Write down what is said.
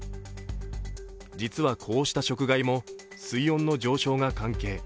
実はこうした食害も水温の上昇が関係。